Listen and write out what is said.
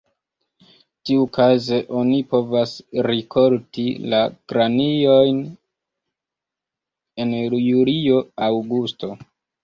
Tiukaze oni povas rikolti la grajnojn en julio-aŭgusto.